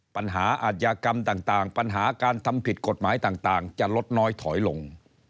ปัญหาอาชญากรรมต่างปัญหาการทำผิดกฎหมายต่างจะลดน้อยถอยลง